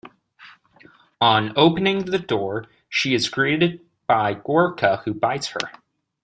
On opening the door, she is greeted by Gorca who bites her.